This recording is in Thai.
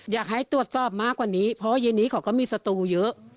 อยากให้ตรวจสอบมากกว่านี้เพราะว่าเย็นนี้เขาก็มีสตูเยอะ